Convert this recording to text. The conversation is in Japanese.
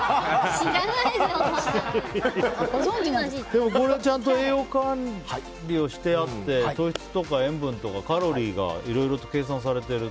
でも、ちゃんと栄養管理をしてあって糖質とか塩分とかカロリーがいろいろ計算されてる。